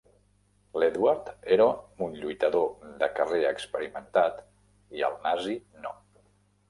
L'Edward era un lluitador de carrer experimentat i el nazi no.